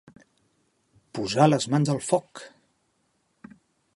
Posar les mans al foc.